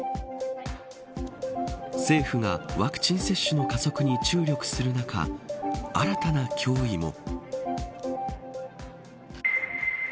政府がワクチン接種の加速に注力する中新たな脅威も。